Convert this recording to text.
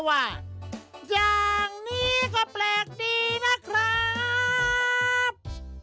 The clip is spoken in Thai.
อย่างนี้ก็แปลกดีมากครับ